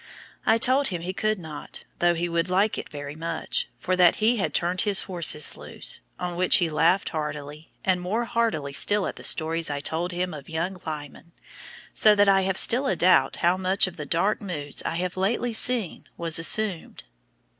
I told him he could not, though he would like it very much, for that he had turned his horses loose; on which he laughed heartily, and more heartily still at the stories I told him of young Lyman, so that I have still a doubt how much of the dark moods I have lately seen was assumed.